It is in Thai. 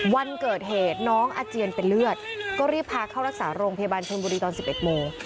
วันเกิดเหตุน้องอาเจียนเป็นเลือดก็รีบพาเข้ารักษาโรงพยาบาลชนบุรีตอน๑๑โมง